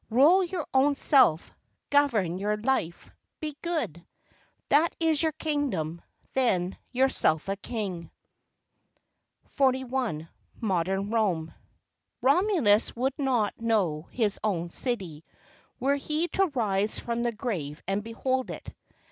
Rule your own self, govern your life, be good 5 That is your kingdom, then yourself a King. 41 . Modern Rome . Romulus would not know his own city, were he to rise from the grave and behold it.